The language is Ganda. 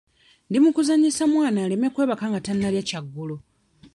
Ndi mu kuzannyisa mwana aleme kwebaka nga tannalya kyaggulo.